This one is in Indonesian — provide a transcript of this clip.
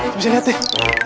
bisa liat deh